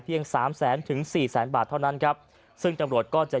สามแสนถึงสี่แสนบาทเท่านั้นครับซึ่งตำรวจก็จะ